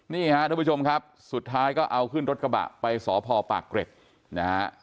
นี่ฮะทุกผู้ชมครับสุดท้ายก็เอาขึ้นรถกระบะไปสพปากเกร็ดนะฮะ